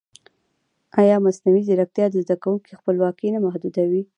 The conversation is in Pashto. ایا مصنوعي ځیرکتیا د زده کوونکي خپلواکي نه محدودوي؟